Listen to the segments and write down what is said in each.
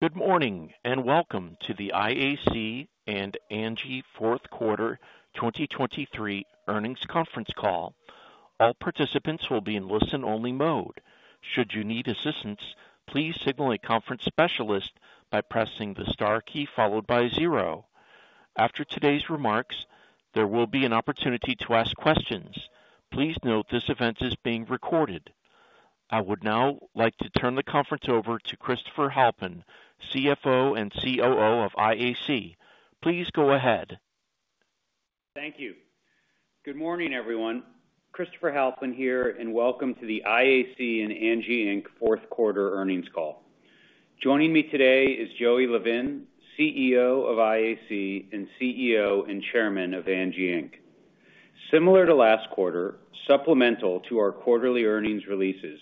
Good morning, and welcome to the IAC and Angi fourth quarter 2023 earnings conference call. All participants will be in listen-only mode. Should you need assistance, please signal a conference specialist by pressing the star key followed by zero. After today's remarks, there will be an opportunity to ask questions. Please note this event is being recorded. I would now like to turn the conference over to Christopher Halpin, CFO and COO of IAC. Please go ahead. Thank you. Good morning, everyone. Christopher Halpin here, and welcome to the IAC and Angi Inc fourth quarter earnings call. Joining me today is Joey Levin, CEO of IAC and CEO and Chairman of Angi Inc. Similar to last quarter, supplemental to our quarterly earnings releases,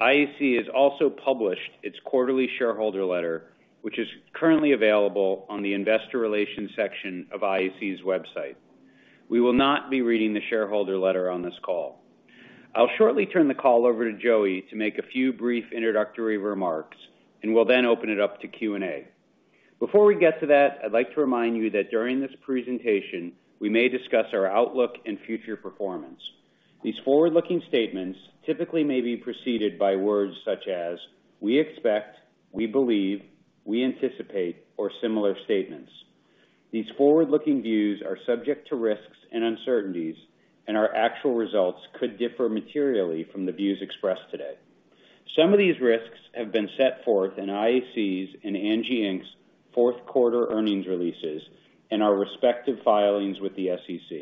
IAC has also published its quarterly shareholder letter, which is currently available on the investor relations section of IAC's website. We will not be reading the shareholder letter on this call. I'll shortly turn the call over to Joey to make a few brief introductory remarks, and we'll then open it up to Q&A. Before we get to that, I'd like to remind you that during this presentation, we may discuss our outlook and future performance. These forward-looking statements typically may be preceded by words such as we expect, we believe, we anticipate, or similar statements. These forward-looking views are subject to risks and uncertainties, and our actual results could differ materially from the views expressed today. Some of these risks have been set forth in IAC's and Angi Inc's fourth-quarter earnings releases and our respective filings with the SEC.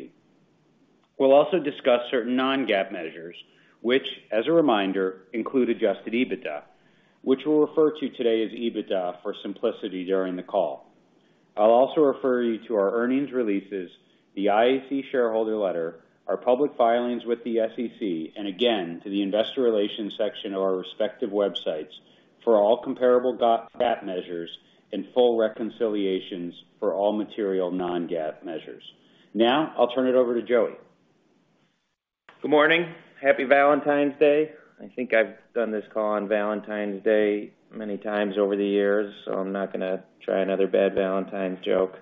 We'll also discuss certain non-GAAP measures, which, as a reminder, include adjusted EBITDA, which we'll refer to today as EBITDA for simplicity during the call. I'll also refer you to our earnings releases, the IAC shareholder letter, our public filings with the SEC, and again, to the investor relations section of our respective websites for all comparable GAAP measures and full reconciliations for all material non-GAAP measures. Now, I'll turn it over to Joey. Good morning. Happy Valentine's Day. I think I've done this call on Valentine's Day many times over the years, so I'm not gonna try another bad Valentine's joke.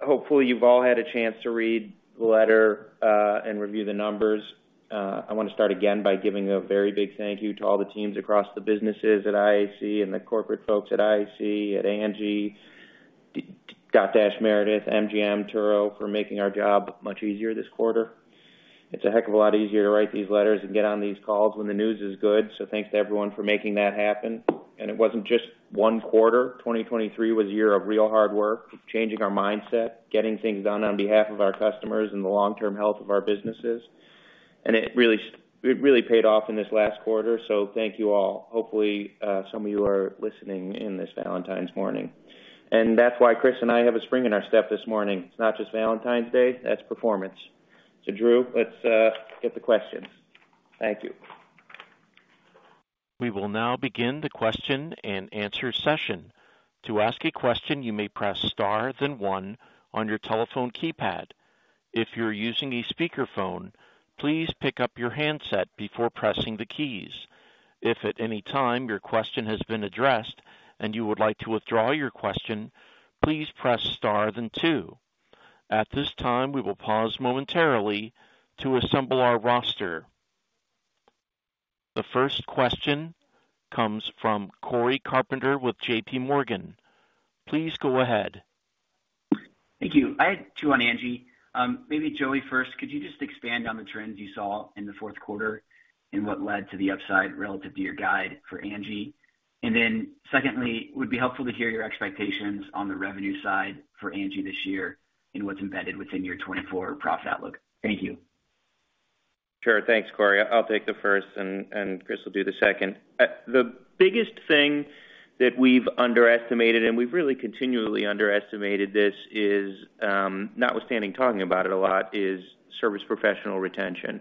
Hopefully, you've all had a chance to read the letter and review the numbers. I wanna start again by giving a very big thank you to all the teams across the businesses at IAC and the corporate folks at IAC, at Angi, Dotdash Meredith, MGM, Turo, for making our job much easier this quarter. It's a heck of a lot easier to write these letters and get on these calls when the news is good, so thanks to everyone for making that happen. It wasn't just one quarter. 2023 was a year of real hard work, changing our mindset, getting things done on behalf of our customers and the long-term health of our businesses. It really, it really paid off in this last quarter, so thank you all. Hopefully, some of you are listening in this Valentine's morning. That's why Chris and I have a spring in our step this morning. It's not just Valentine's Day, that's performance. So, Drew, let's get the questions. Thank you. We will now begin the question and answer session. To ask a question, you may press star, then one on your telephone keypad. If you're using a speakerphone, please pick up your handset before pressing the keys. If at any time your question has been addressed and you would like to withdraw your question, please press star then two. At this time, we will pause momentarily to assemble our roster. The first question comes from Cory Carpenter with JPMorgan. Please go ahead. Thank you. I had two on Angi. Maybe Joey first, could you just expand on the trends you saw in the fourth quarter and what led to the upside relative to your guide for Angi? And then secondly, it would be helpful to hear your expectations on the revenue side for Angi this year and what's embedded within your 2024 profit outlook. Thank you. Sure. Thanks, Cory. I'll take the first and Chris will do the second. The biggest thing that we've underestimated, and we've really continually underestimated this, is, notwithstanding talking about it a lot, is service professional retention.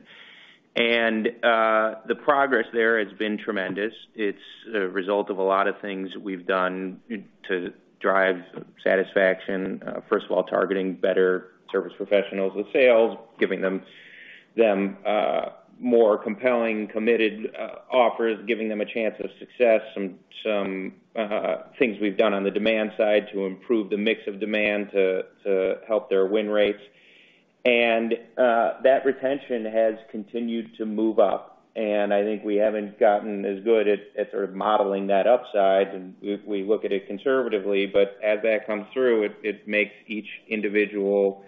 And the progress there has been tremendous. It's a result of a lot of things we've done to drive satisfaction. First of all, targeting better service professionals with sales, giving them more compelling, committed offers, giving them a chance of success, some things we've done on the demand side to improve the mix of demand to help their win rates. And that retention has continued to move up, and I think we haven't gotten as good at sort of modeling that upside, and we look at it conservatively. But as that comes through, it makes each individual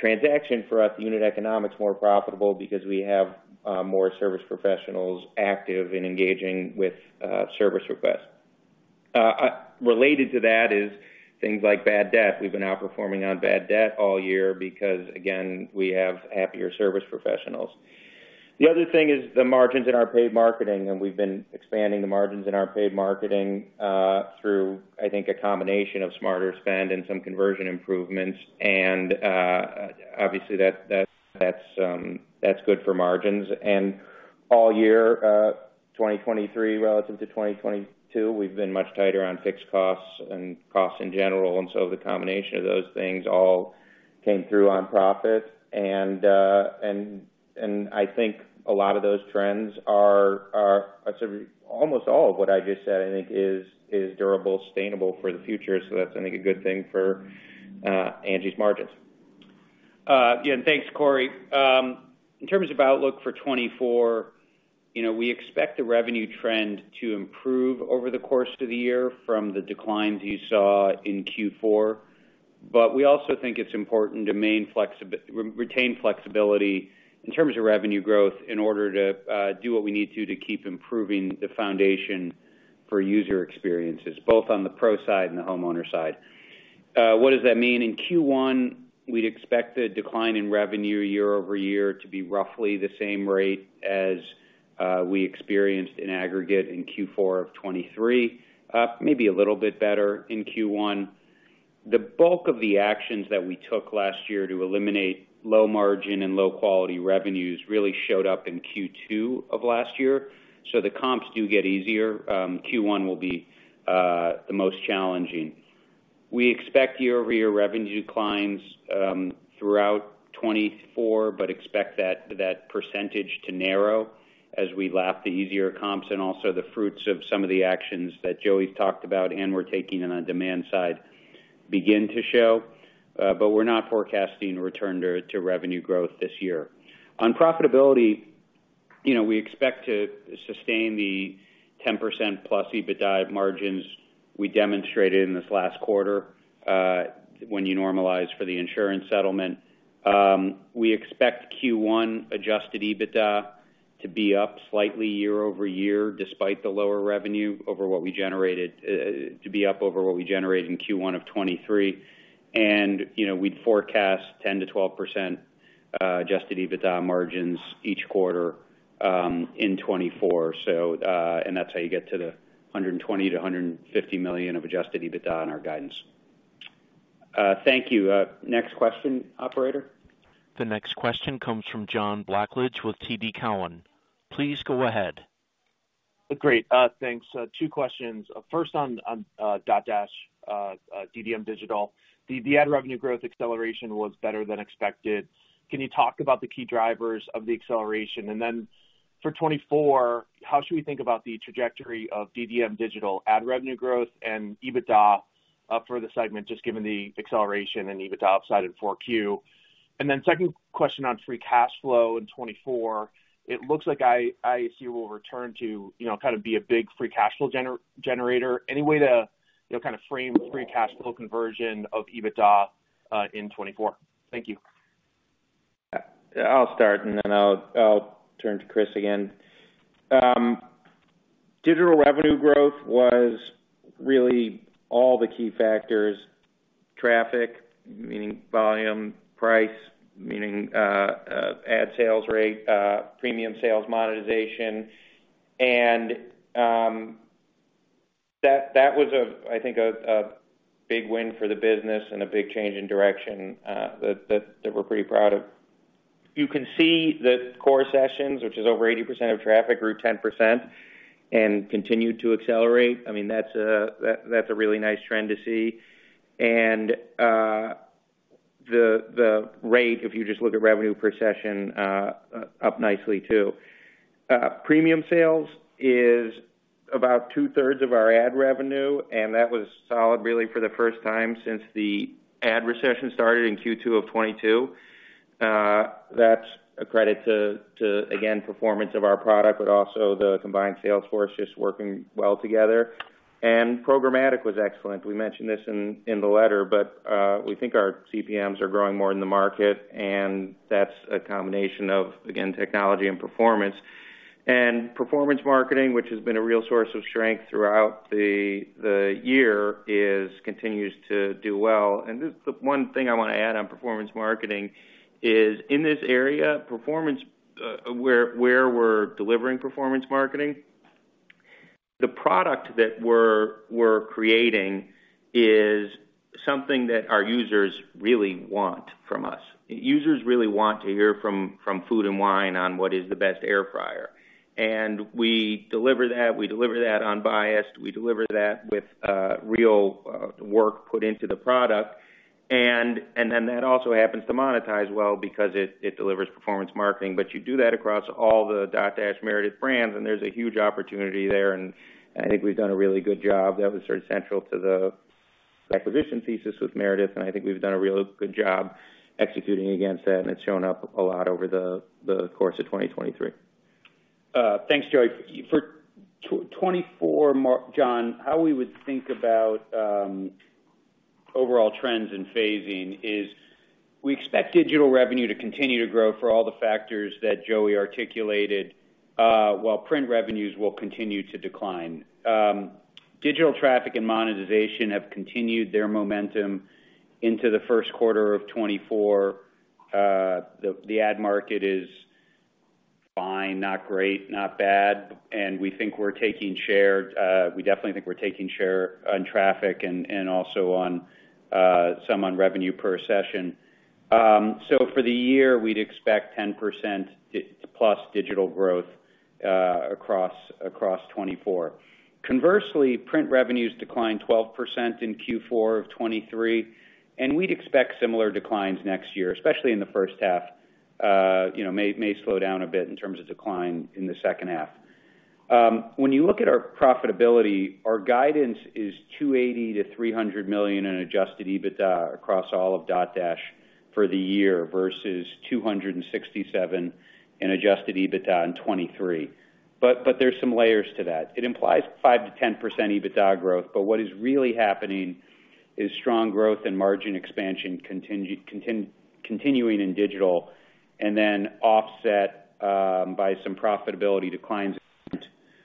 transaction for us, the unit economics, more profitable because we have more service professionals active in engaging with service requests. Related to that is things like bad debt. We've been outperforming on bad debt all year because, again, we have happier service professionals. The other thing is the margins in our paid marketing, and we've been expanding the margins in our paid marketing through, I think, a combination of smarter spend and some conversion improvements, and obviously, that's good for margins. And all year, 2023 relative to 2022, we've been much tighter on fixed costs and costs in general, and so the combination of those things all came through on profit. And I think a lot of those trends are. Almost all of what I just said, I think is durable, sustainable for the future. So that's, I think, a good thing for Angi's margins. Yeah, and thanks, Cory. In terms of outlook for 2024, you know, we expect the revenue trend to improve over the course of the year from the declines you saw in Q4. But we also think it's important to maintain flexibility in terms of revenue growth, in order to do what we need to, to keep improving the foundation for user experiences, both on the pro side and the homeowner side. What does that mean? In Q1, we'd expect the decline in revenue year-over-year to be roughly the same rate as we experienced in aggregate in Q4 of 2023, maybe a little bit better in Q1. The bulk of the actions that we took last year to eliminate low margin and low-quality revenues really showed up in Q2 of last year, so the comps do get easier. Q1 will be the most challenging. We expect year-over-year revenue declines throughout 2024, but expect that percentage to narrow as we lap the easier comps and also the fruits of some of the actions that Joey talked about and we're taking on the demand side begin to show, but we're not forecasting a return to revenue growth this year. On profitability, you know, we expect to sustain the 10%+ EBITDA margins we demonstrated in this last quarter when you normalize for the insurance settlement. We expect Q1 adjusted EBITDA to be up slightly year-over-year, despite the lower revenue over what we generated to be up over what we generated in Q1 of 2023. And, you know, we'd forecast 10%-12% adjusted EBITDA margins each quarter in 2024. So, and that's how you get to the $120 million-$150 million of adjusted EBITDA in our guidance. Thank you. Next question, operator. The next question comes from John Blackledge with TD Cowen. Please go ahead. Great. Thanks. Two questions. First, on Dotdash, DDM Digital. The ad revenue growth acceleration was better than expected. Can you talk about the key drivers of the acceleration? And then for 2024, how should we think about the trajectory of DDM Digital ad revenue growth and EBITDA, for the segment, just given the acceleration and EBITDA upside in 4Q? And then second question on free cash flow in 2024. It looks like IAC will return to, you know, kind of be a big free cash flow generator. Any way to, you know, kind of frame the free cash flow conversion of EBITDA, in 2024? Thank you. I'll start, and then I'll turn to Chris again. Digital revenue growth was really all the key factors: traffic, meaning volume; price, meaning ad sales rate, premium sales monetization. That was, I think, a big win for the business and a big change in direction that we're pretty proud of. You can see that core sessions, which is over 80% of traffic, grew 10% and continued to accelerate. I mean, that's a really nice trend to see. The rate, if you just look at revenue per session, up nicely, too. Premium sales is about 2/3 of our ad revenue, and that was solid really for the first time since the ad recession started in Q2 of 2022. That's a credit to again performance of our product, but also the combined sales force just working well together. And programmatic was excellent. We mentioned this in the letter, but we think our CPMs are growing more in the market, and that's a combination of again technology and performance. And performance marketing, which has been a real source of strength throughout the year, is continues to do well. And the one thing I want to add on performance marketing is, in this area, performance where we're delivering performance marketing, the product that we're creating is something that our users really want from us. Users really want to hear from Food & Wine on what is the best air fryer. And we deliver that, we deliver that unbiased, we deliver that with real work put into the product. And then that also happens to monetize well because it delivers performance marketing. But you do that across all the Dotdash Meredith brands, and there's a huge opportunity there, and I think we've done a really good job. That was sort of central to the acquisition thesis with Meredith, and I think we've done a really good job executing against that, and it's shown up a lot over the course of 2023. Thanks, Joey. For 2024, John, how we would think about overall trends in phasing is: we expect digital revenue to continue to grow for all the factors that Joey articulated, while print revenues will continue to decline. Digital traffic and monetization have continued their momentum into the first quarter of 2024. The ad market is fine, not great, not bad, and we think we're taking share. We definitely think we're taking share on traffic and also on some revenue per session. So for the year, we'd expect 10%+ digital growth across 2024. Conversely, print revenues declined 12% in Q4 of 2023, and we'd expect similar declines next year, especially in the first half. You know, may slow down a bit in terms of decline in the second half. When you look at our profitability, our guidance is $280 million-$300 million in adjusted EBITDA across all of Dotdash for the year, versus $267 million in adjusted EBITDA in 2023. But there's some layers to that. It implies 5%-10% EBITDA growth, but what is really happening is strong growth and margin expansion continuing in digital, and then offset by some profitability declines,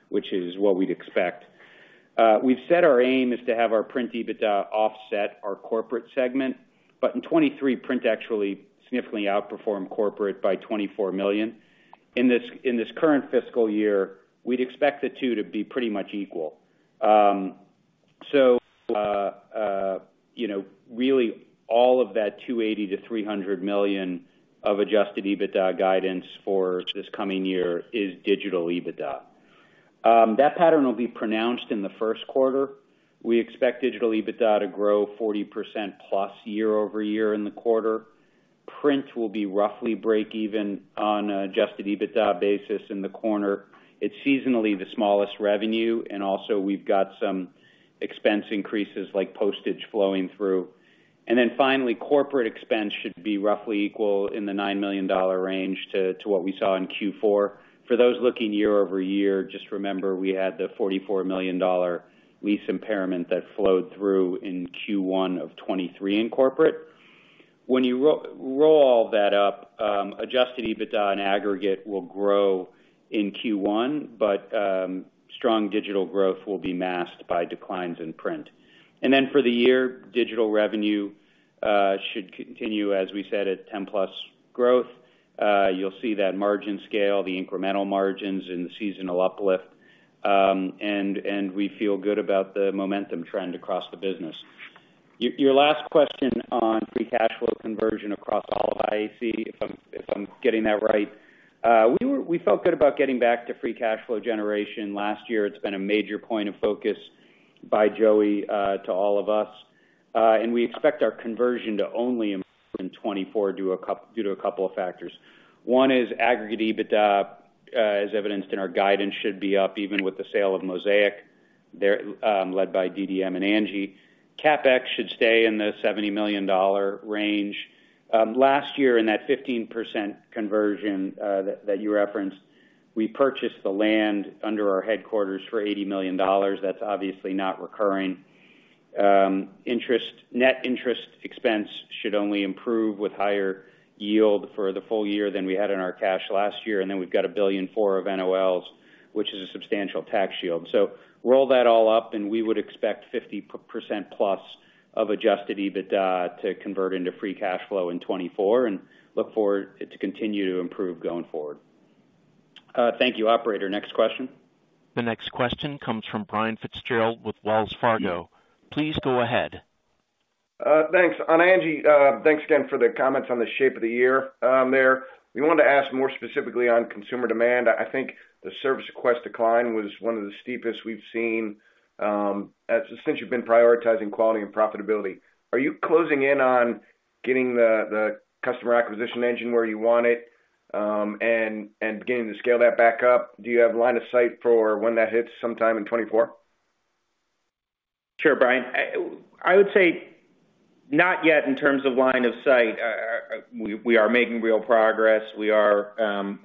which is what we'd expect. We've set our aim is to have our print EBITDA offset our corporate segment, but in 2023, print actually significantly outperformed corporate by $24 million. In this current fiscal year, we'd expect the two to be pretty much equal. So, you know, really all of that $280 million-$300 million of adjusted EBITDA guidance for this coming year is digital EBITDA. That pattern will be pronounced in the first quarter. We expect digital EBITDA to grow 40%+ year-over-year in the quarter. Print will be roughly break even on adjusted EBITDA basis in the quarter. It's seasonally the smallest revenue, and also we've got some expense increases, like postage flowing through. And then finally, corporate expense should be roughly equal in the $9 million range to what we saw in Q4. For those looking year-over-year, just remember we had the $44 million lease impairment that flowed through in Q1 of 2023 in corporate. When you roll all that up, adjusted EBITDA in aggregate will grow in Q1, but strong digital growth will be masked by declines in print. And then for the year, digital revenue should continue, as we said, at 10%+ growth. You'll see that margin scale, the incremental margins and the seasonal uplift, and we feel good about the momentum trend across the business. Your last question on free cash flow conversion across all of IAC, if I'm getting that right. We felt good about getting back to free cash flow generation last year. It's been a major point of focus by Joey to all of us, and we expect our conversion to only improve in 2024 due to a couple of factors. One is aggregate EBITDA, as evidenced in our guidance, should be up even with the sale of Mosaic, led by DDM and Angi. CapEx should stay in the $70 million range. Last year, in that 15% conversion that you referenced, we purchased the land under our headquarters for $80 million. That's obviously not recurring. Net interest expense should only improve with higher yield for the full year than we had in our cash last year. And then we've got $1.4 billion of NOLs, which is a substantial tax shield. So roll that all up, and we would expect 50%+ of adjusted EBITDA to convert into free cash flow in 2024, and look forward it to continue to improve going forward. Thank you, operator. Next question. The next question comes from Brian Fitzgerald with Wells Fargo. Please go ahead. Thanks. On Angi, thanks again for the comments on the shape of the year, there. We wanted to ask more specifically on consumer demand. I think the service request decline was one of the steepest we've seen, since you've been prioritizing quality and profitability. Are you closing in on getting the, the customer acquisition engine where you want it, and beginning to scale that back up? Do you have line of sight for when that hits sometime in 2024? Sure, Brian. I would say not yet in terms of line of sight. We are making real progress. We are.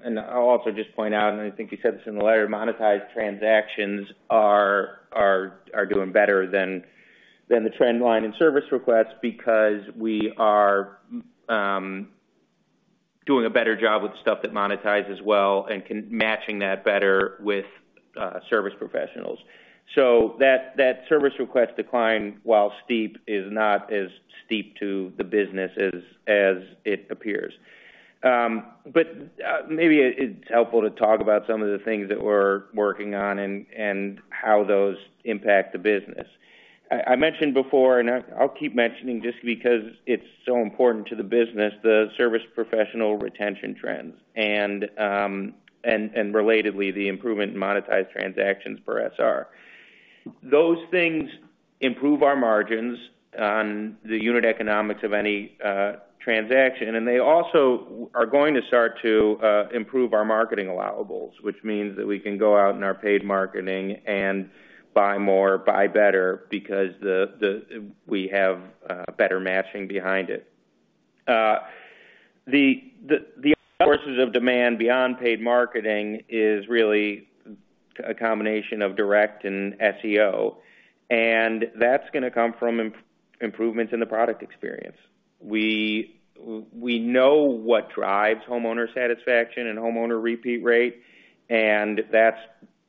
And I'll also just point out, and I think you said this in the letter, monetized transactions are doing better than the trend line in service requests because we are doing a better job with stuff that monetizes well and can- matching that better with service professionals. So that service request decline, while steep, is not as steep to the business as it appears. But maybe it's helpful to talk about some of the things that we're working on and how those impact the business. I mentioned before, and I'll keep mentioning just because it's so important to the business, the service professional retention trends and relatedly, the improvement in monetized transactions per SR. Those things improve our margins on the unit economics of any transaction, and they also are going to start to improve our marketing allowables, which means that we can go out in our paid marketing and buy more, buy better, because we have better matching behind it. The sources of demand beyond paid marketing is really a combination of direct and SEO, and that's gonna come from improvements in the product experience. We know what drives homeowner satisfaction and homeowner repeat rate, and that's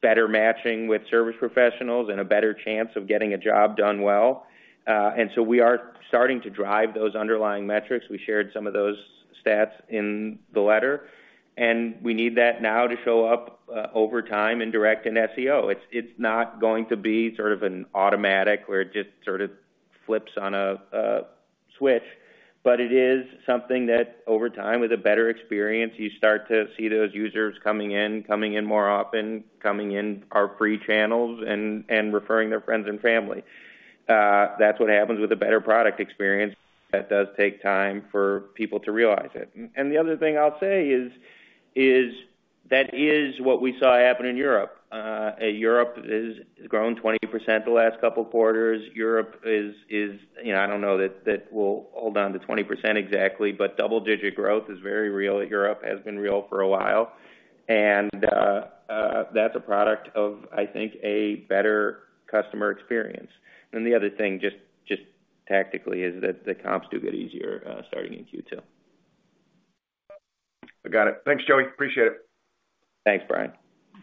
better matching with service professionals and a better chance of getting a job done well. And so we are starting to drive those underlying metrics. We shared some of those stats in the letter, and we need that now to show up over time in direct and SEO. It's, it's not going to be sort of an automatic, where it just sort of flips on a, a switch, but it is something that over time, with a better experience, you start to see those users coming in, coming in more often, coming in our free channels and, and referring their friends and family. That's what happens with a better product experience. That does take time for people to realize it. And the other thing I'll say is, is that is what we saw happen in Europe. Europe is growing 20% the last couple of quarters. Europe is, you know, I don't know that we'll hold on to 20% exactly, but double-digit growth is very real in Europe, has been real for a while. That's a product of, I think, a better customer experience. The other thing, just tactically, is that the comps do get easier, starting in Q2. I got it. Thanks, Joey. Appreciate it. Thanks, Brian.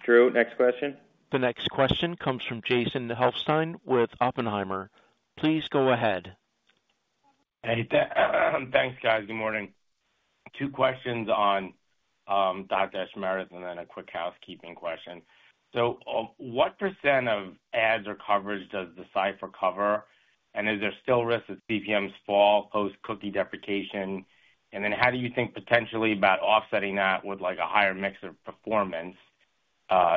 Drew, next question? The next question comes from Jason Helfstein with Oppenheimer. Please go ahead. Hey, thanks, guys. Good morning. Two questions on Dotdash Meredith, and then a quick housekeeping question. So, what percent of ads or coverage does D/Cipher cover? And is there still risk that CPMs fall post-cookie deprecation? And then how do you think potentially about offsetting that with, like, a higher mix of performance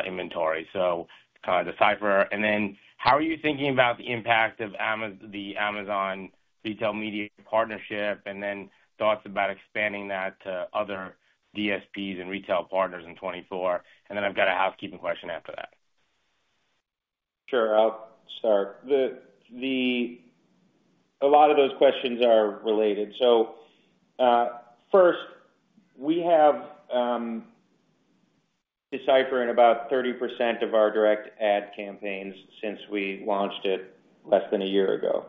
inventory? So kind of D/Cipher. And then how are you thinking about the impact of the Amazon retail media partnership, and then thoughts about expanding that to other DSPs and retail partners in 2024? And then I've got a housekeeping question after that. Sure, I'll start. A lot of those questions are related. So, first, we have D/Cipher in about 30% of our direct ad campaigns since we launched it less than a year ago.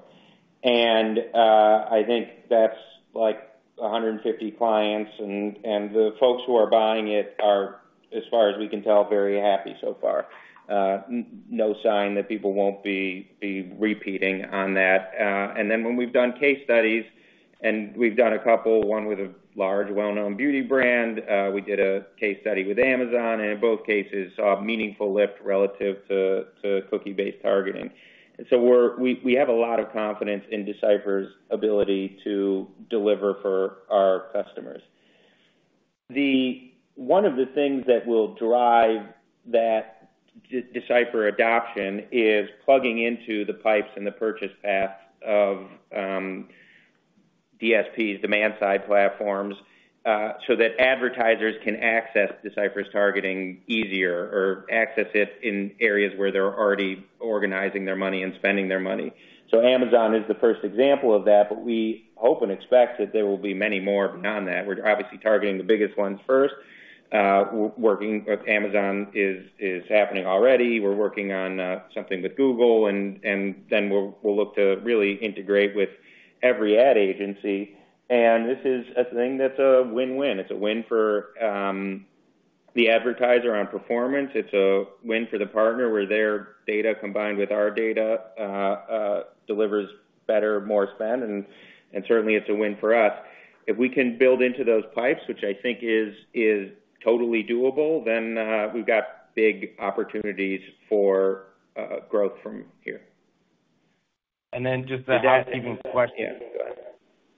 And I think that's like 150 clients, and the folks who are buying it are, as far as we can tell, very happy so far. No sign that people won't be repeating on that. And then when we've done case studies, and we've done a couple, one with a large, well-known beauty brand, we did a case study with Amazon, and in both cases, saw a meaningful lift relative to cookie-based targeting. And so we have a lot of confidence in D/Cipher's ability to deliver for our customers. One of the things that will drive that D/Cipher adoption is plugging into the pipes and the purchase paths of DSPs, demand-side platforms, so that advertisers can access D/Cipher's targeting easier or access it in areas where they're already organizing their money and spending their money. So Amazon is the first example of that, but we hope and expect that there will be many more beyond that. We're obviously targeting the biggest ones first. Working with Amazon is happening already. We're working on something with Google, and then we'll look to really integrate with every ad agency. And this is a thing that's a win-win. It's a win for the advertiser on performance. It's a win for the partner, where their data, combined with our data, delivers better, more spend. Certainly, it's a win for us. If we can build into those pipes, which I think is totally doable, then we've got big opportunities for growth from here. And then just a housekeeping question. Yeah, go ahead.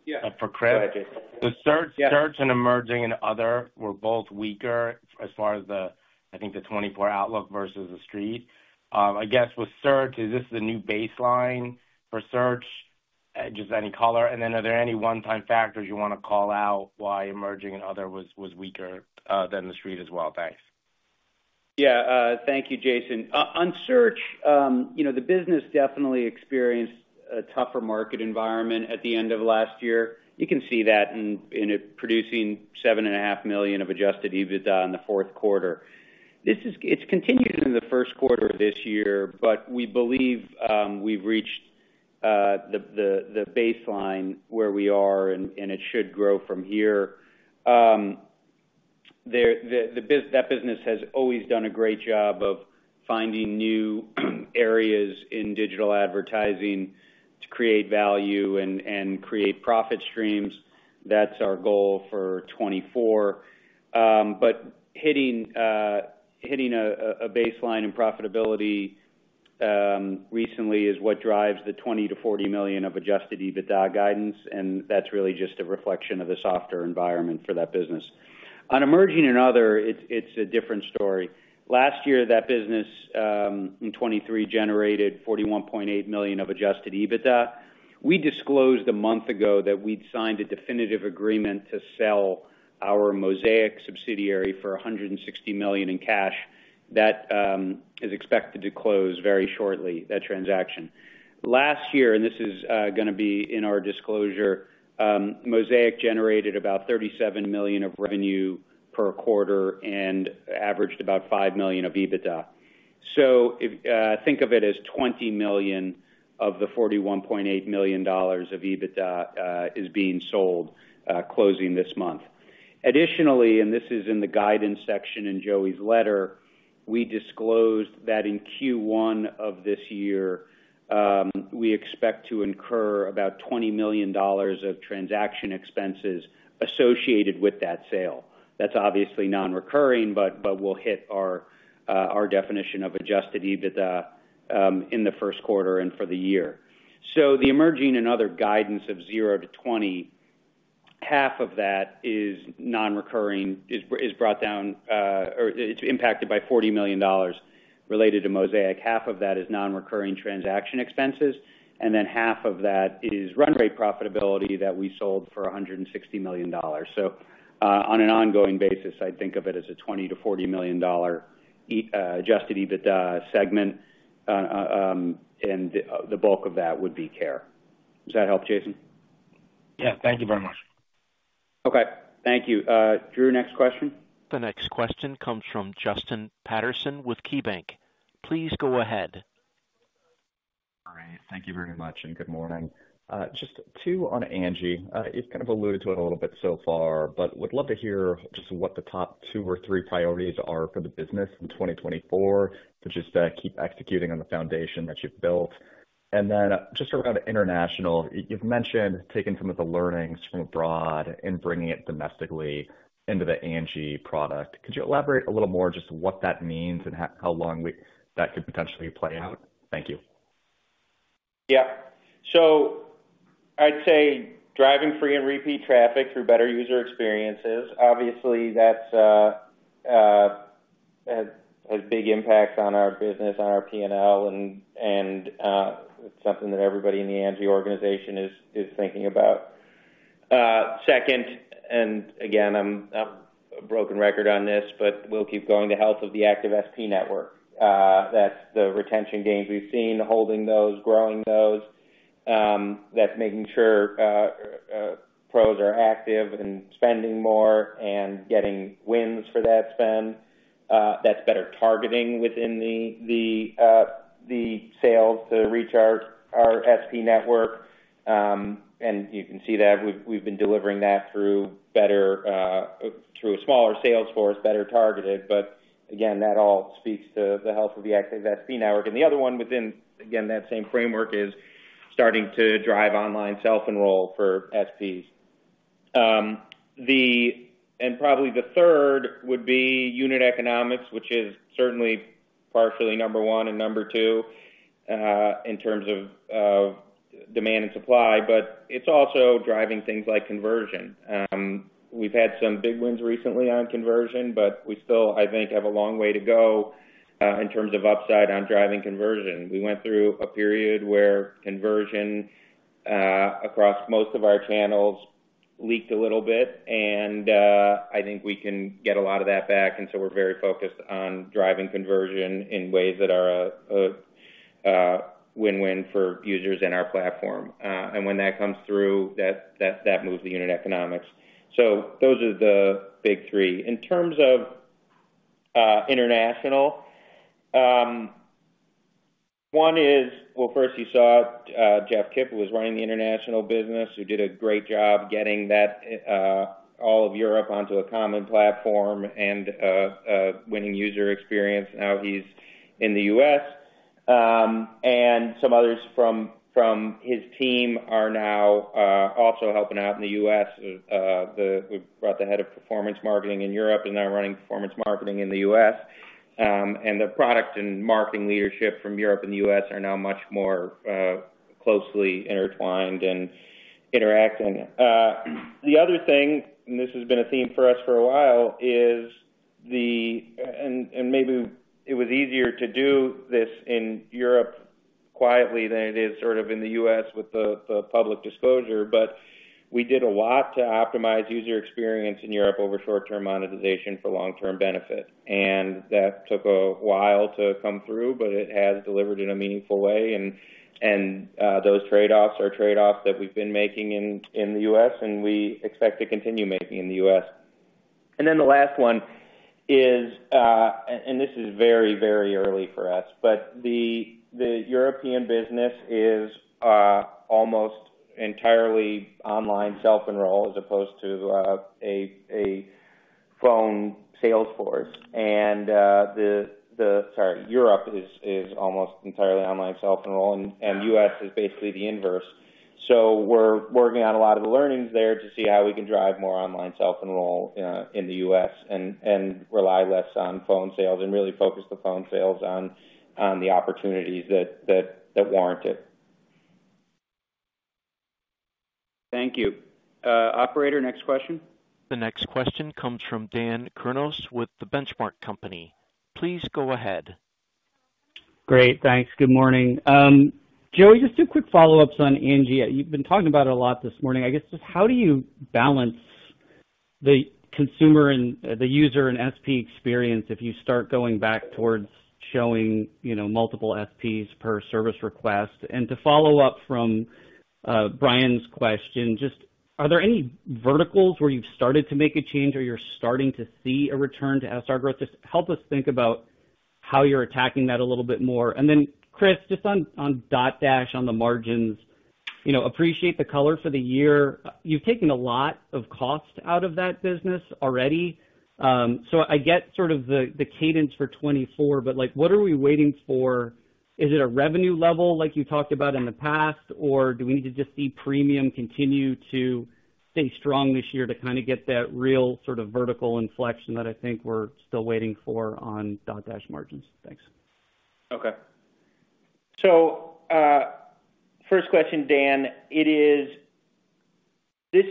Yeah, for credit. Go ahead, Jason. The search and emerging and other were both weaker as far as the, I think, the 2024 outlook versus the street. I guess with search, is this the new baseline for search? Just any color, and then are there any one-time factors you want to call out why emerging and other was weaker than the street as well? Thanks. Yeah, thank you, Jason. On search, you know, the business definitely experienced a tougher market environment at the end of last year. You can see that in it producing $7.5 million of adjusted EBITDA in the fourth quarter. It's continued in the first quarter of this year, but we believe we've reached the baseline where we are, and it should grow from here. That business has always done a great job of finding new areas in digital advertising to create value and create profit streams. That's our goal for 2024. But hitting a baseline in profitability recently is what drives the $20 million-$40 million of adjusted EBITDA guidance, and that's really just a reflection of the softer environment for that business. On emerging and other, it's a different story. Last year, that business in 2023 generated $41.8 million of adjusted EBITDA. We disclosed a month ago that we'd signed a definitive agreement to sell our Mosaic subsidiary for $160 million in cash. That is expected to close very shortly, that transaction. Last year, and this is going to be in our disclosure, Mosaic generated about $37 million of revenue per quarter and averaged about $5 million of EBITDA. So think of it as $20 million of the $41.8 million of EBITDA is being sold, closing this month. Additionally, and this is in the guidance section in Joey's letter, we disclosed that in Q1 of this year, we expect to incur about $20 million of transaction expenses associated with that sale. That's obviously non-recurring, but will hit our definition of adjusted EBITDA in the first quarter and for the year. So the emerging and other guidance of $0-$20 million. Half of that is non-recurring, is brought down, or it's impacted by $40 million related to Mosaic. Half of that is non-recurring transaction expenses, and then half of that is run rate profitability that we sold for $160 million. So, on an ongoing basis, I'd think of it as a $20 million-$40 million adjusted EBITDA segment, and the bulk of that would be Care. Does that help, Jason? Yeah, thank you very much. Okay, thank you. Drew, next question. The next question comes from Justin Patterson with KeyBanc. Please go ahead. All right. Thank you very much, and good morning. Just two on Angi. You've kind of alluded to it a little bit so far, but would love to hear just what the top two or three priorities are for the business in 2024, to just keep executing on the foundation that you've built. And then, just around international, you've mentioned taking some of the learnings from abroad and bringing it domestically into the Angi product. Could you elaborate a little more just what that means and how long that could potentially play out? Thank you. Yeah. So I'd say driving free and repeat traffic through better user experiences. Obviously, that's has big impacts on our business, on our P&L and it's something that everybody in the Angi organization is thinking about. Second, and again, I'm a broken record on this, but we'll keep going, the health of the active SP network. That's the retention gains we've seen, holding those, growing those. That's making sure pros are active and spending more and getting wins for that spend. That's better targeting within the sales to reach our SP network. And you can see that we've been delivering that through a smaller sales force, better targeted. But again, that all speaks to the health of the active SP network. And the other one within, again, that same framework is starting to drive online self-enroll for SPs. And probably the third would be unit economics, which is certainly partially number one and number two, in terms of demand and supply, but it's also driving things like conversion. We've had some big wins recently on conversion, but we still, I think, have a long way to go, in terms of upside on driving conversion. We went through a period where conversion across most of our channels leaked a little bit, and I think we can get a lot of that back, and so we're very focused on driving conversion in ways that are a win-win for users in our platform. And when that comes through, that moves the unit economics. So those are the big three. In terms of international, one is. Well, first you saw Jeff Kip, who was running the international business, who did a great job getting that all of Europe onto a common platform and winning user experience. Now he's in the U.S. And some others from his team are now also helping out in the U.S. We've brought the head of performance marketing in Europe and now running performance marketing in the U.S. And the product and marketing leadership from Europe and the U.S. are now much more closely intertwined and interacting. The other thing, and this has been a theme for us for a while, is, and maybe it was easier to do this in Europe quietly than it is sort of in the U.S. with the public disclosure, but we did a lot to optimize user experience in Europe over short-term monetization for long-term benefit. And that took a while to come through, but it has delivered in a meaningful way. And, those trade-offs are trade-offs that we've been making in the U.S., and we expect to continue making in the U.S. And then the last one is, and this is very, very early for us, but the European business is almost entirely online self-enroll, as opposed to a phone sales force. And, the, sorry, Europe is almost entirely online self-enroll, and U.S. is basically the inverse. So we're working on a lot of the learnings there to see how we can drive more online self-enroll in the U.S. and rely less on phone sales, and really focus the phone sales on the opportunities that warrant it. Thank you. Operator, next question? The next question comes from Dan Kurnos with The Benchmark Company. Please go ahead. Great, thanks. Good morning. Joey, just two quick follow-ups on Angi. You've been talking about it a lot this morning. I guess, just how do you balance the consumer and the user and SP experience if you start going back towards showing, you know, multiple SPs per service request? And to follow up from Brian's question, just are there any verticals where you've started to make a change or you're starting to see a return to SR growth? Just help us think about how you're attacking that a little bit more. And then, Chris, just on Dotdash, on the margins, you know, appreciate the color for the year. You've taken a lot of cost out of that business already, so I get sort of the cadence for 2024, but, like, what are we waiting for? Is it a revenue level, like you talked about in the past, or do we need to just see premium continue to stay strong this year to kind of get that real sort of vertical inflection that I think we're still waiting for on Dotdash margins? Thanks. Okay. So, first question, Dan, this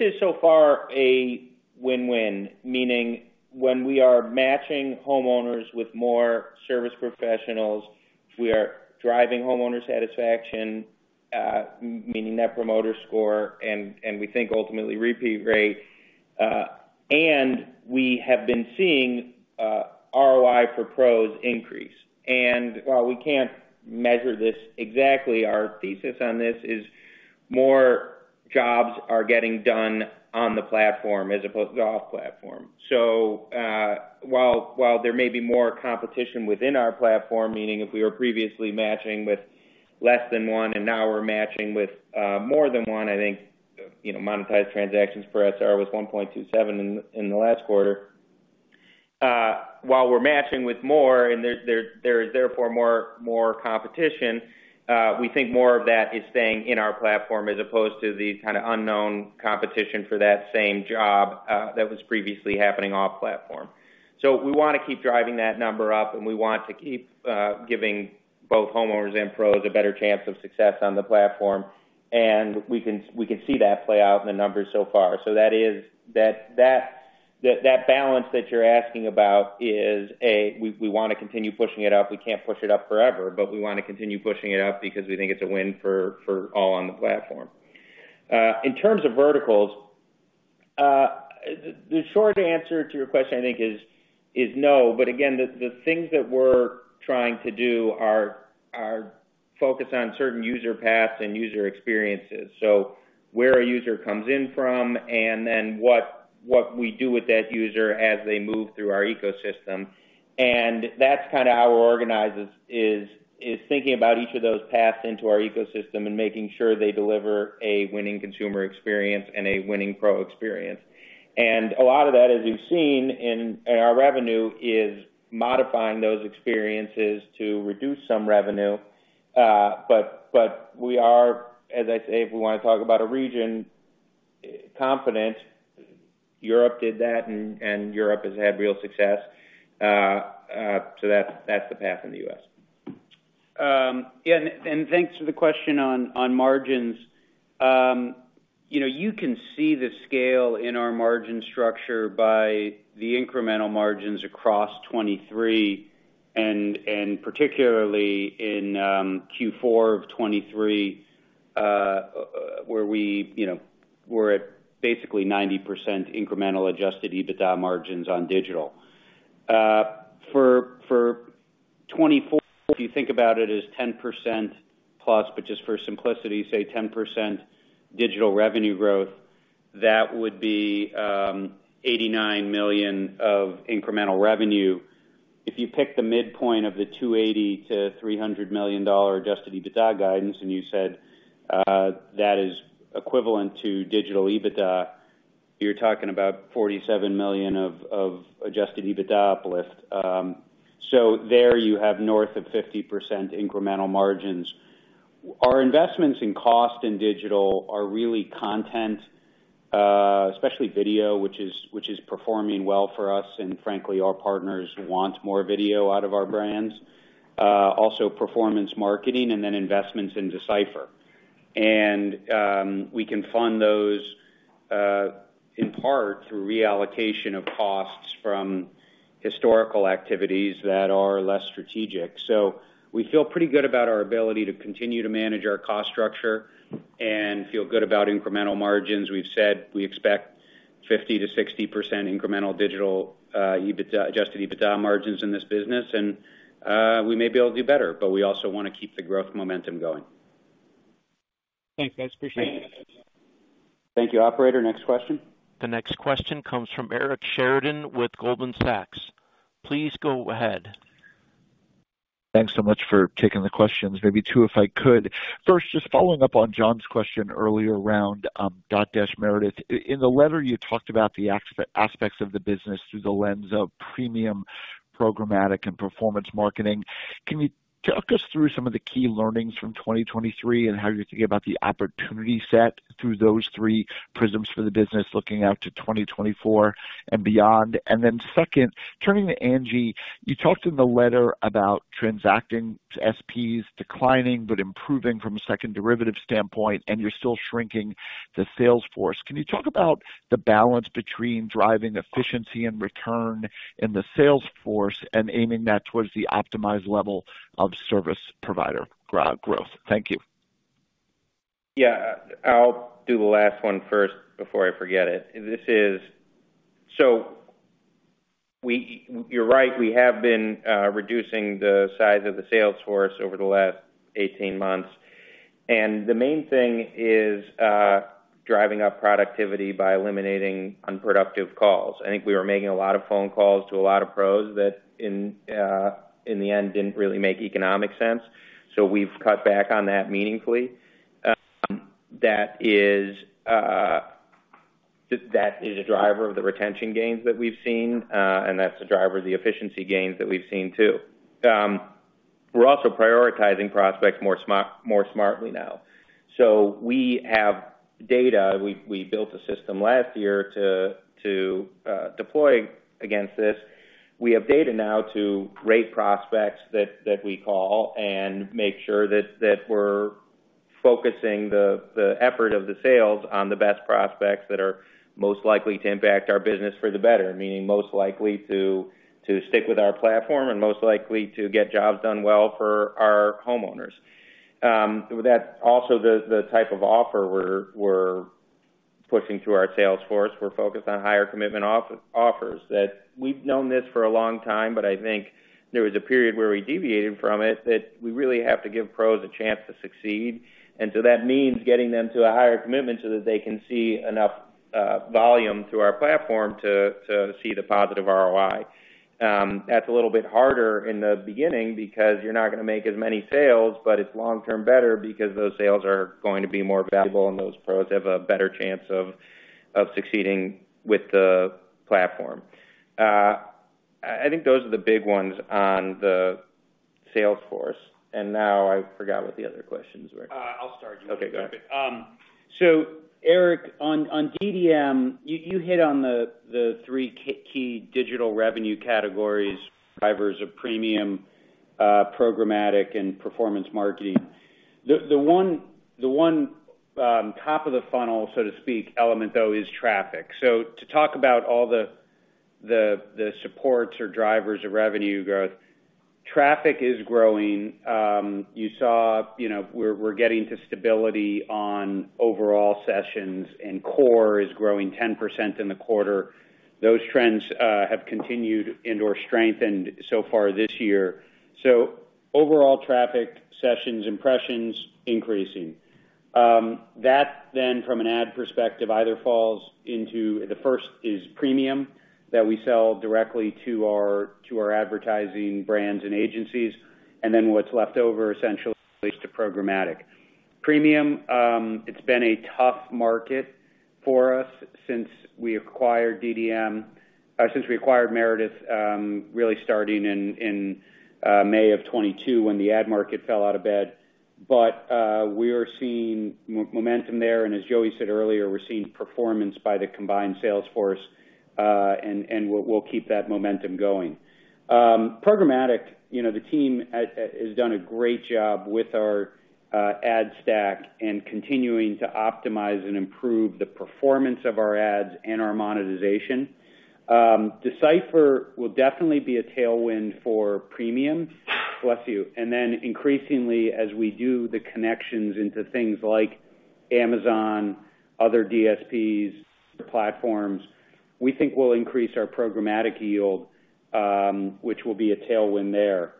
is so far a win-win, meaning when we are matching homeowners with more service professionals, we are driving homeowner satisfaction, meaning Net Promoter Score, and we think ultimately repeat rate. And we have been seeing ROI for pros increase. And while we can't measure this exactly, our thesis on this is more jobs are getting done on the platform as opposed to off platform. So, while there may be more competition within our platform, meaning if we were previously matching with less than one and now we're matching with more than one, I think, you know, monetized transactions per SR was 1.27 in the last quarter. While we're matching with more, and there is therefore more competition, we think more of that is staying in our platform as opposed to the kind of unknown competition for that same job that was previously happening off platform. So we wanna keep driving that number up, and we want to keep giving both homeowners and pros a better chance of success on the platform, and we can see that play out in the numbers so far. So that is. That balance that you're asking about is, we wanna continue pushing it up. We can't push it up forever, but we wanna continue pushing it up because we think it's a win for all on the platform. In terms of verticals, the short answer to your question, I think is no. But again, the things that we're trying to do are focused on certain user paths and user experiences. So where a user comes in from, and then what we do with that user as they move through our ecosystem. And that's kinda how we're organized, thinking about each of those paths into our ecosystem and making sure they deliver a winning consumer experience and a winning pro experience. And a lot of that, as you've seen in our revenue, is modifying those experiences to reduce some revenue. But we are, as I say, if we wanna talk about a region, confident. Europe did that, and Europe has had real success. So that's the path in the U.S. And thanks for the question on margins. You know, you can see the scale in our margin structure by the incremental margins across 2023, and particularly in Q4 of 2023, where we, you know, we're at basically 90% incremental adjusted EBITDA margins on digital. For 2024, if you think about it as 10%+, but just for simplicity, say 10% digital revenue growth, that would be $89 million of incremental revenue. If you pick the midpoint of the $280 million-$300 million adjusted EBITDA guidance, and you said that is equivalent to digital EBITDA, you're talking about $47 million of adjusted EBITDA uplift. So there you have north of 50% incremental margins. Our investments in cost and digital are really content, especially video, which is performing well for us, and frankly, our partners want more video out of our brands. Also performance marketing and then investments in D/Cipher. We can fund those in part through reallocation of costs from historical activities that are less strategic. So we feel pretty good about our ability to continue to manage our cost structure and feel good about incremental margins. We've said we expect 50%-60% incremental digital adjusted EBITDA margins in this business, and we may be able to do better, but we also wanna keep the growth momentum going. Thanks, guys. Appreciate it. Thank you, operator. Next question. The next question comes from Eric Sheridan with Goldman Sachs. Please go ahead. Thanks so much for taking the questions. Maybe two, if I could. First, just following up on John's question earlier around Dotdash Meredith. In the letter, you talked about the aspects of the business through the lens of premium programmatic and performance marketing. Can you talk us through some of the key learnings from 2023, and how you're thinking about the opportunity set through those three prisms for the business, looking out to 2024 and beyond? And then second, turning to Angi, you talked in the letter about transacting SPs declining, but improving from a second derivative standpoint, and you're still shrinking the sales force. Can you talk about the balance between driving efficiency and return in the sales force and aiming that towards the optimized level of service provider growth? Thank you. Yeah, I'll do the last one first before I forget it. This is, so you're right, we have been reducing the size of the sales force over the last 18 months, and the main thing is driving up productivity by eliminating unproductive calls. I think we were making a lot of phone calls to a lot of pros that in the end didn't really make economic sense, so we've cut back on that meaningfully. That is a driver of the retention gains that we've seen, and that's a driver of the efficiency gains that we've seen too. We're also prioritizing prospects more smart, more smartly now. So we have data. We built a system last year to deploy against this. We have data now to rate prospects that we call and make sure that we're focusing the effort of the sales on the best prospects that are most likely to impact our business for the better, meaning most likely to stick with our platform and most likely to get jobs done well for our homeowners. That's also the type of offer we're pushing to our sales force. We're focused on higher commitment offers. That we've known this for a long time, but I think there was a period where we deviated from it, that we really have to give pros a chance to succeed. And so that means getting them to a higher commitment so that they can see enough volume through our platform to see the positive ROI. That's a little bit harder in the beginning because you're not gonna make as many sales, but it's long-term better because those sales are going to be more valuable, and those pros have a better chance of succeeding with the platform. I think those are the big ones on the sales force. Now I forgot what the other questions were. I'll start. Okay, go ahead. So Eric, on DDM, you hit on the three key digital revenue categories, drivers of premium, programmatic and performance marketing. The one top of the funnel, so to speak, element, though, is traffic. So to talk about all the supports or drivers of revenue growth, traffic is growing. You saw, you know, we're getting to stability on overall sessions, and core is growing 10% in the quarter. Those trends have continued and/or strengthened so far this year. So overall traffic, sessions, impressions, increasing. That then, from an ad perspective, either falls into the first is premium, that we sell directly to our advertising brands and agencies, and then what's left over essentially to programmatic. Premium, it's been a tough market for us since we acquired DDM, since we acquired Meredith, really starting in May of 2022, when the ad market fell out of bed. But we are seeing momentum there, and as Joey said earlier, we're seeing performance by the combined sales force, and we'll keep that momentum going. Programmatic, you know, the team at has done a great job with our ad stack and continuing to optimize and improve the performance of our ads and our monetization. D/Cipher will definitely be a tailwind for premium. Bless you. And then increasingly, as we do the connections into things like Amazon, other DSPs, platforms, we think we'll increase our programmatic yield, which will be a tailwind there.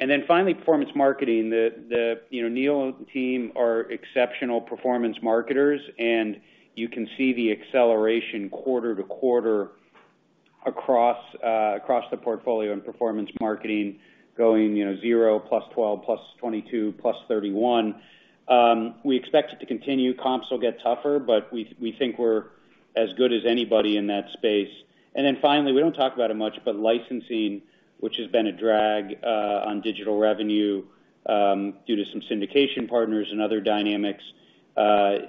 And then finally, performance marketing. You know, Neil and the team are exceptional performance marketers, and you can see the acceleration quarter-over-quarter across the portfolio in performance marketing going, you know, 0 +12, +22, +31. We expect it to continue. Comps will get tougher, but we think we're as good as anybody in that space. And then finally, we don't talk about it much, but licensing, which has been a drag on digital revenue due to some syndication partners and other dynamics,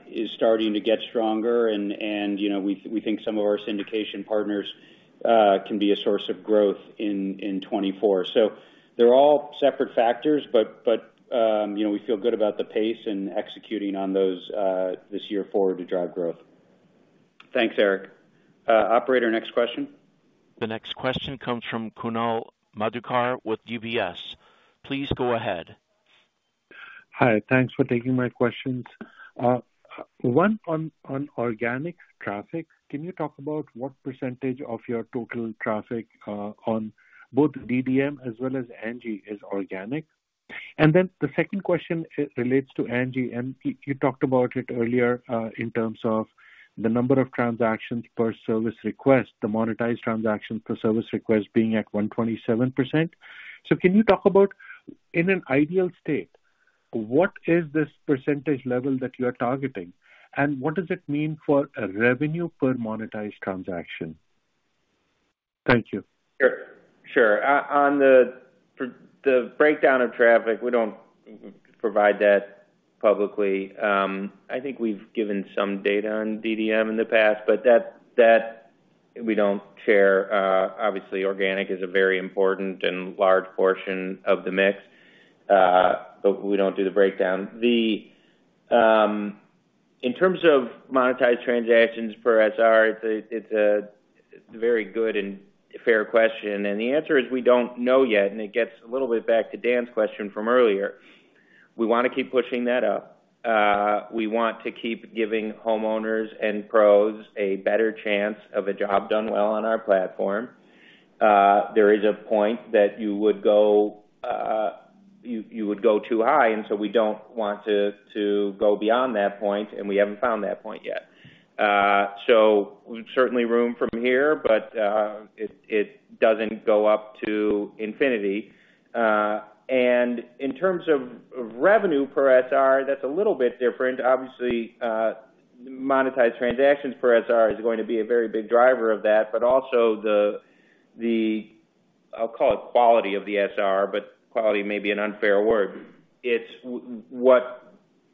is starting to get stronger. And you know, we think some of our syndication partners can be a source of growth in 2024. So they're all separate factors, but you know, we feel good about the pace and executing on those this year forward to drive growth. Thanks, Eric. Operator, next question? The next question comes from Kunal Madhukar with UBS. Please go ahead. Hi, thanks for taking my questions. One, on organic traffic, can you talk about what percentage of your total traffic on both DDM as well as Angi is organic? And then the second question, it relates to Angi, and you talked about it earlier, in terms of the number of transactions per service request, the monetized transactions per service request being at 127%. So can you talk about, in an ideal state, what is this percentage level that you are targeting, and what does it mean for a revenue per monetized transaction? Thank you. Sure. On the, for the breakdown of traffic, we don't provide that publicly. I think we've given some data on DDM in the past, but that, that we don't share. Obviously, organic is a very important and large portion of the mix, but we don't do the breakdown. In terms of monetized transactions per SR, it's a very good and fair question, and the answer is we don't know yet, and it gets a little bit back to Dan's question from earlier. We want to keep pushing that up. We want to keep giving homeowners and pros a better chance of a job done well on our platform. There is a point that you would go, you would go too high, and so we don't want to go beyond that point, and we haven't found that point yet. So certainly room from here, but it doesn't go up to infinity. And in terms of revenue per SR, that's a little bit different. Obviously, monetized transactions per SR is going to be a very big driver of that. But also the, I'll call it quality of the SR, but quality may be an unfair word. It's what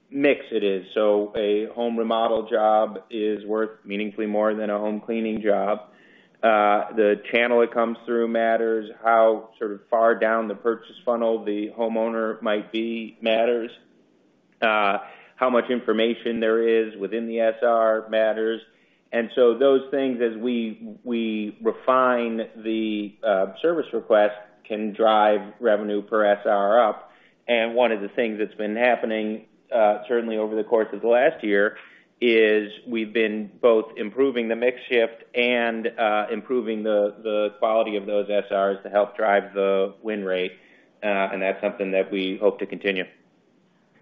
mix it is. So a home remodel job is worth meaningfully more than a home cleaning job. The channel it comes through matters. How sort of far down the purchase funnel the homeowner might be, matters. How much information there is within the SR matters. Those things, as we refine the service request, can drive revenue per SR up. One of the things that's been happening, certainly over the course of the last year, is we've been both improving the mix shift and improving the quality of those SRs to help drive the win rate. That's something that we hope to continue.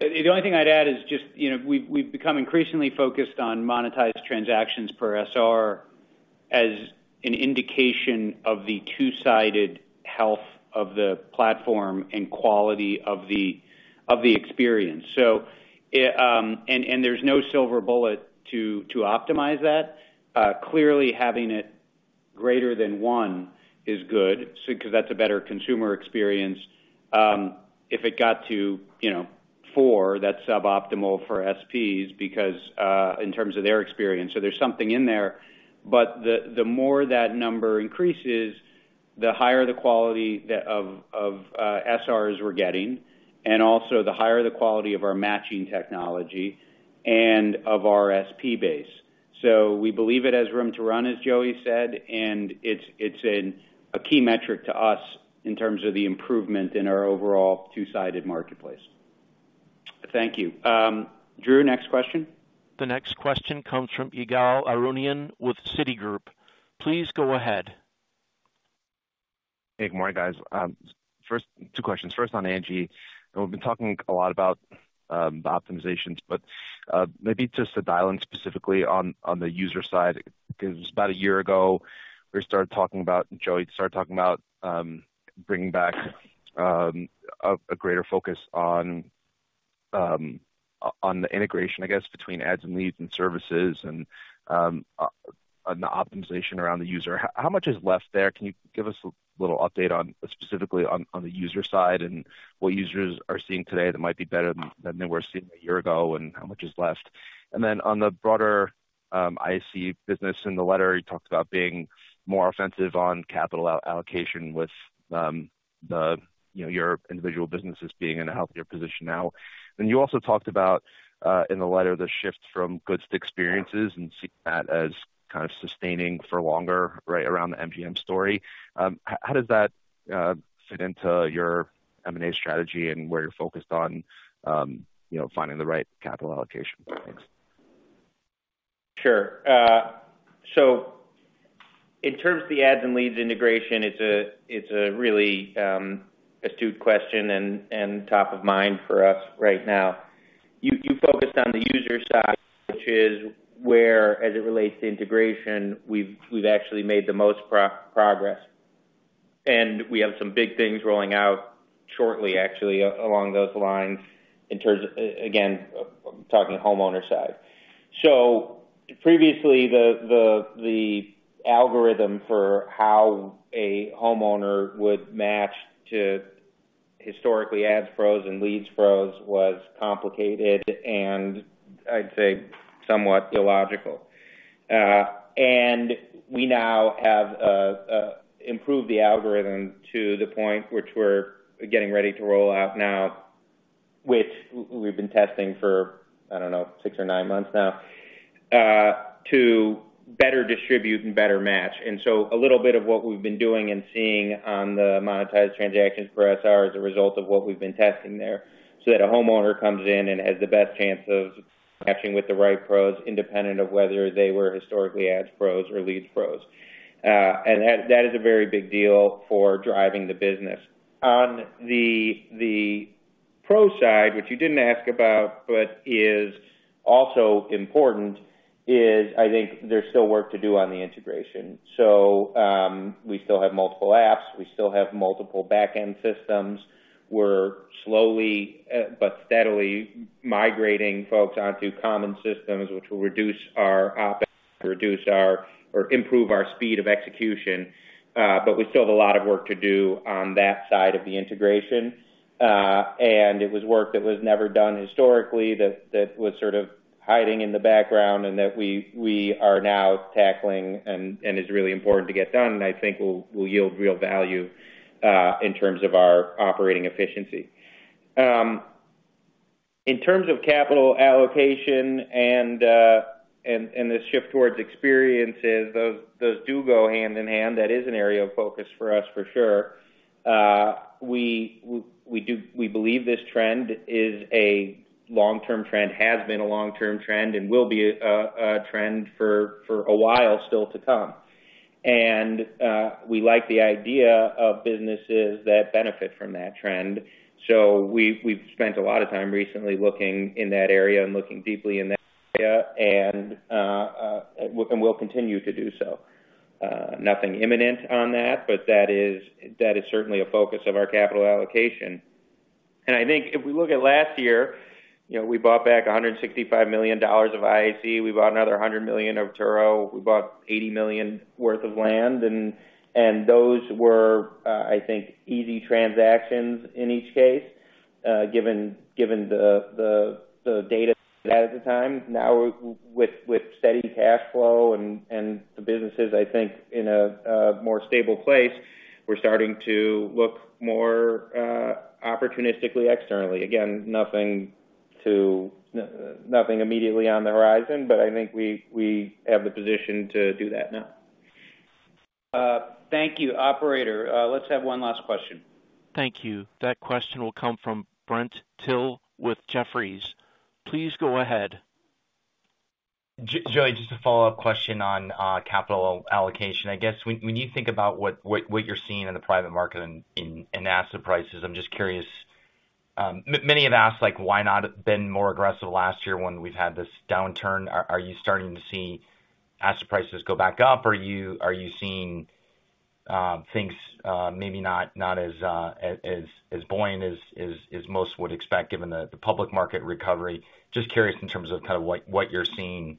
The only thing I'd add is just, you know, we've become increasingly focused on monetized transactions per SR as an indication of the two-sided health of the platform and quality of the experience. So, it and there's no silver bullet to optimize that. Clearly, having it greater than one is good, so because that's a better consumer experience. If it got to, you know, four, that's suboptimal for SPs because in terms of their experience. So there's something in there, but the more that number increases, the higher the quality of SRs we're getting, and also the higher the quality of our matching technology and of our SP base. So we believe it has room to run, as Joey said, and it's, it's a key metric to us in terms of the improvement in our overall two-sided marketplace. Thank you. Drew, next question. The next question comes from Ygal Arounian with Citigroup. Please go ahead. Hey, good morning, guys. First, two questions. First, on Angi. We've been talking a lot about the optimizations, but maybe just to dial in specifically on the user side, because about a year ago, we started talking about, Joey started talking about bringing back a greater focus on the integration, I guess, between ads and leads and services and on the optimization around the user. How much is left there? Can you give us a little update on, specifically on the user side, and what users are seeing today that might be better than they were seeing a year ago, and how much is left? And then on the broader IAC business, in the letter, you talked about being more offensive on capital allocation with, the, you know, your individual businesses being in a healthier position now. Then you also talked about, in the letter, the shift from goods to experiences and seeing that as kind of sustaining for longer, right around the MGM story. How does that fit into your M&A strategy and where you're focused on, you know, finding the right capital allocation? Thanks. Sure. So in terms of the ads and leads integration, it's a really astute question and top of mind for us right now. You focused on the user side, which is where, as it relates to integration, we've actually made the most progress. And we have some big things rolling out shortly, actually, along those lines, in terms of again, talking homeowner side. So previously, the algorithm for how a homeowner would match to historically, Ads Pros and Leads Pros, was complicated and I'd say somewhat illogical. And we now have improved the algorithm to the point which we're getting ready to roll out now, which we've been testing for, I don't know, six or nine months now, to better distribute and better match. And so a little bit of what we've been doing and seeing on the monetized transactions per SR is a result of what we've been testing there. So that a homeowner comes in and has the best chance of matching with the right Pros, independent of whether they were historically Ads Pros or Leads Pros. And that, that is a very big deal for driving the business. On the Pro side, which you didn't ask about, but is also important, I think there's still work to do on the integration. So, we still have multiple apps, we still have multiple back-end systems. We're slowly, but steadily migrating folks onto common systems, which will reduce our or improve our speed of execution. But we still have a lot of work to do on that side of the integration. And it was work that was never done historically, that was sort of hiding in the background and that we are now tackling and is really important to get done, and I think will yield real value in terms of our operating efficiency. In terms of capital allocation and the shift towards experiences, those do go hand in hand. That is an area of focus for us, for sure. We believe this trend is a long-term trend, has been a long-term trend, and will be a trend for a while still to come. And we like the idea of businesses that benefit from that trend. So we've spent a lot of time recently looking in that area and looking deeply in that area, and we'll continue to do so. Nothing imminent on that, but that is, that is certainly a focus of our capital allocation. And I think if we look at last year, you know, we bought back $165 million of IAC. We bought another $100 million of Turo. We bought $80 million worth of land, and those were, I think, easy transactions in each case, given, given the, the, the data at the time. Now, with steady cash flow and the businesses, I think, in a more stable place, we're starting to look more opportunistically, externally. Again, nothing immediately on the horizon, but I think we have the position to do that now. Thank you. Operator, let's have one last question. Thank you. That question will come from Brent Thill with Jefferies. Please go ahead. Joey, just a follow-up question on capital allocation. I guess, when you think about what you're seeing in the private market in asset prices, I'm just curious, many have asked, like, why not have been more aggressive last year when we've had this downturn? Are you starting to see asset prices go back up, or are you seeing things maybe not as buoyant as most would expect, given the public market recovery? Just curious in terms of kind of what you're seeing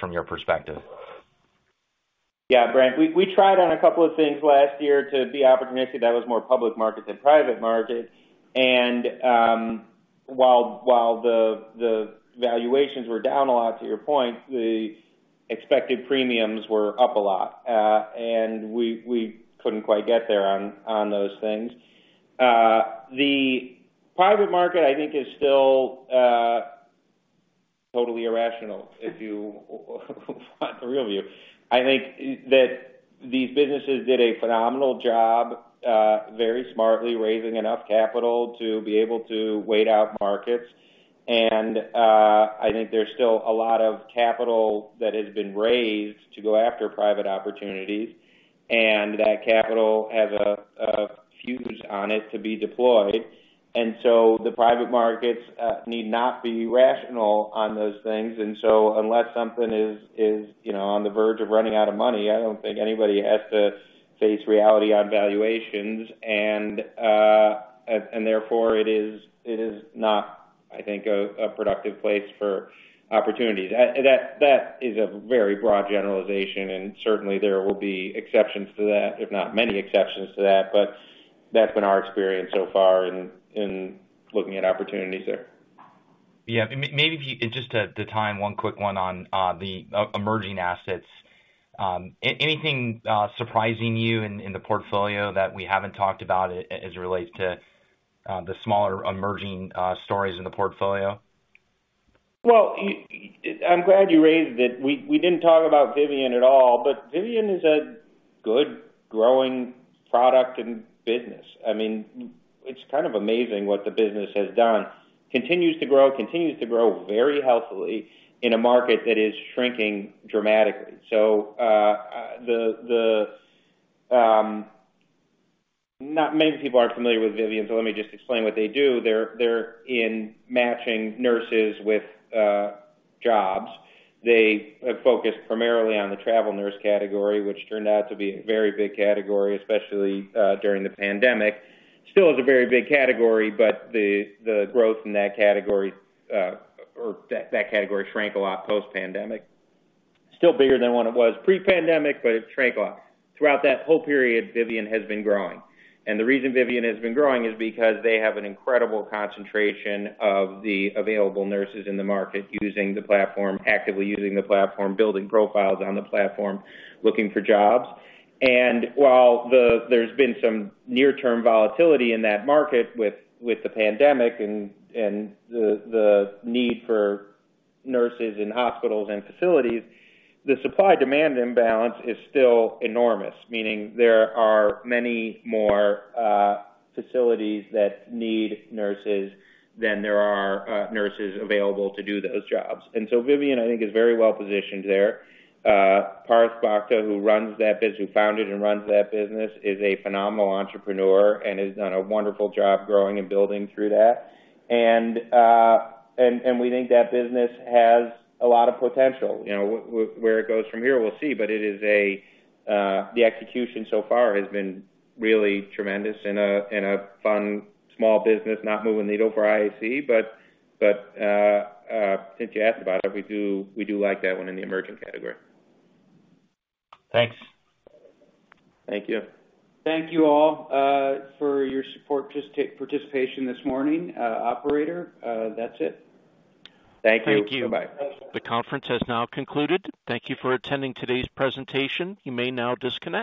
from your perspective. Yeah, Brent, we tried on a couple of things last year to be opportunistic. That was more public market than private market. And while the valuations were down a lot, to your point, the expected premiums were up a lot, and we couldn't quite get there on those things. The private market, I think, is still totally irrational, if you want the real view. I think that these businesses did a phenomenal job, very smartly, raising enough capital to be able to wait out markets. And I think there's still a lot of capital that has been raised to go after private opportunities, and that capital has a fuse on it to be deployed. And so the private markets need not be rational on those things. And so unless something is, you know, on the verge of running out of money, I don't think anybody has to face reality on valuations. And therefore, it is not, I think, a productive place for opportunities. That is a very broad generalization, and certainly, there will be exceptions to that, if not many exceptions to that, but that's been our experience so far in looking at opportunities there. Yeah, maybe if you just at the time, one quick one on the emerging assets. Anything surprising you in the portfolio that we haven't talked about as it relates to the smaller, emerging stories in the portfolio? Well, I'm glad you raised it. We didn't talk about Vivian at all, but Vivian is a good, growing product and business. I mean, it's kind of amazing what the business has done. Continues to grow, continues to grow very healthily in a market that is shrinking dramatically. So, not many people are familiar with Vivian, so let me just explain what they do. They're in matching nurses with jobs. They focus primarily on the travel nurse category, which turned out to be a very big category, especially during the pandemic. Still is a very big category, but the growth in that category shrank a lot post-pandemic. Still bigger than what it was pre-pandemic, but it shrank a lot. Throughout that whole period, Vivian has been growing. The reason Vivian has been growing is because they have an incredible concentration of the available nurses in the market, using the platform, actively using the platform, building profiles on the platform, looking for jobs. And while there's been some near-term volatility in that market with the pandemic and the need for nurses in hospitals and facilities, the supply-demand imbalance is still enormous, meaning there are many more facilities that need nurses than there are nurses available to do those jobs. And so Vivian, I think, is very well positioned there. Parth Bhakta, who runs that biz, who founded and runs that business, is a phenomenal entrepreneur and has done a wonderful job growing and building through that. And we think that business has a lot of potential. You know, where it goes from here, we'll see, but it is. The execution so far has been really tremendous in a, in a fun, small business, not moving the needle for IAC. But since you asked about it, we do, we do like that one in the emerging category. Thanks. Thank you. Thank you all for your support, participation this morning. Operator, that's it. Thank you. Thank you. Bye-bye. The conference has now concluded. Thank you for attending today's presentation. You may now disconnect.